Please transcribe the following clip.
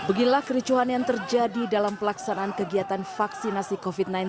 beginilah kericuhan yang terjadi dalam pelaksanaan kegiatan vaksinasi covid sembilan belas